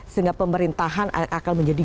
sehingga pemerintahan akan menjadi